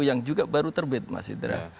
yang juga baru terbit mas indra